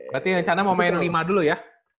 berarti rencana mau main lima dulu ya